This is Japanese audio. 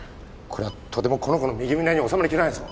これはとてもこの子の右胸に収まりきらないぞ。